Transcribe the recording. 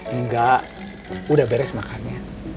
enggak udah beres makannya